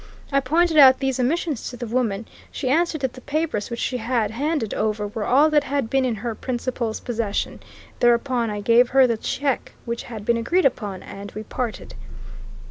I pointed out these omissions to the woman: she answered that the papers which she had handed over were all that had been in her principal's possession. Thereupon I gave her the check which had been agreed upon, and we parted."